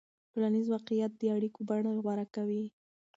ټولنیز واقعیت د اړیکو بڼه غوره کوي.